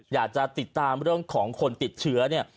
อยากจะติดตามเรื่องของคนติดเชื้อเนี่ย